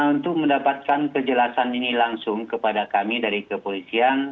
untuk mendapatkan kejelasan ini langsung kepada kami dari kepolisian